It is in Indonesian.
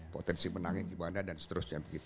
potensi menangnya gimana dan seterusnya